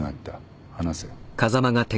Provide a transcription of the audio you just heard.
話せ。